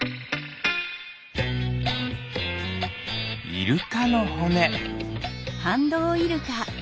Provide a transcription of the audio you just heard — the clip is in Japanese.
イルカのほね。